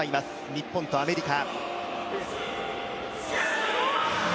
日本とアメリカ。